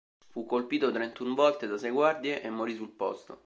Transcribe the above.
Fu colpito trentun volte da sei guardie e morì sul posto.